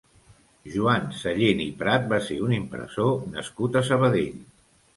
Joan Sallent i Prat va ser un impressor nascut a Sabadell.